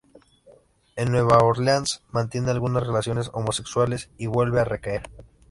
En Nueva Orleans mantiene algunas relaciones homosexuales y vuelve a recaer.